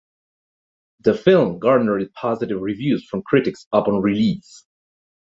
The film garnered positive reviews from critics upon release.